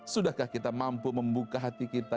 sudahkah kita mampu membuka hati kita